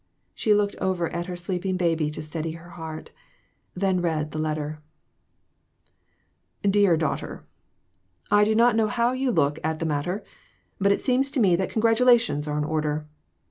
She looked over at her sleeping baby to steady her heart, then read the letter : DEAR DAUGHTER: I do not know how you look at the matter, but it seems to me that congratulations are in order.